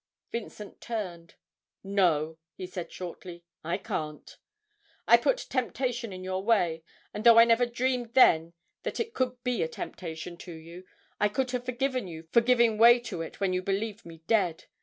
Vincent turned. 'No,' he said, shortly, 'I can't. I put temptation in your way, and though I never dreamed then that it could be a temptation to you, I could have forgiven you for giving way to it when you believed me dead.